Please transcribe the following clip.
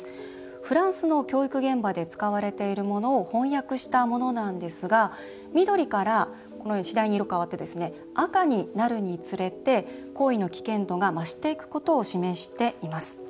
フランスの教育現場で使われているものを翻訳したものなんですが緑から次第に色が変わって赤になるにつれて行為の危険度が増していくことを示しています。